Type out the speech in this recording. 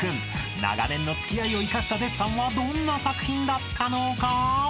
［長年の付き合いを生かしたデッサンはどんな作品だったのか？］